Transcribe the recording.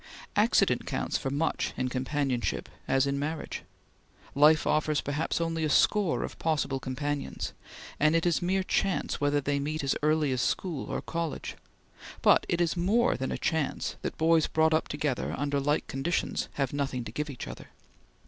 Accident counts for much in companionship as in marriage. Life offers perhaps only a score of possible companions, and it is mere chance whether they meet as early as school or college, but it is more than a chance that boys brought up together under like conditions have nothing to give each other.